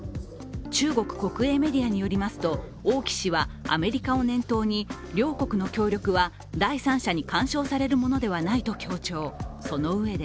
中国国営メディアによりますと、王毅氏はアメリカを念頭に両国の協力は第三者に干渉されるものではないと強調、そのうえで